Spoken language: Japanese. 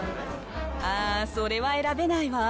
ああ、それは選べないわ。